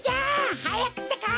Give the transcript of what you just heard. はやくってか。